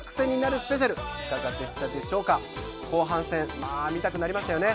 後半戦まあ見たくなりましたよね。